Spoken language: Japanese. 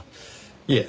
いえ。